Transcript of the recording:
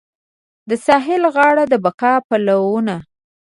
د ساحل غاړه د بقا پلونه